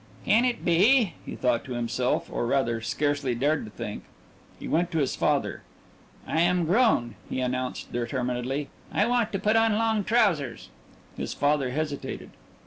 "Can it be ?" he thought to himself, or, rather, scarcely dared to think. He went to his father. "I am grown," he announced determinedly. "I want to put on long trousers." His father hesitated.